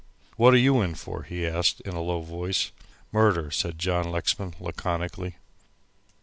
"What are you in for?" he asked, in a low voice. "Murder," said John Lexman, laconically.